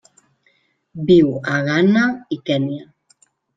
Viu a Ghana i Kenya.